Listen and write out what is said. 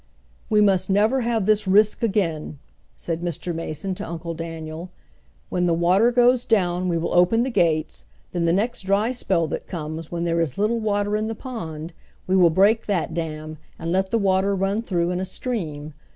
"We must never have this risk again," said Mr. Mason to Uncle Daniel. "When the water goes down we will open the gates, then the next dry spell that comes when there is little water in the pond we will break that dam and let the water run through in a stream.